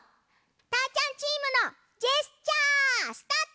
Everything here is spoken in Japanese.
たーちゃんチームのジェスチャースタート！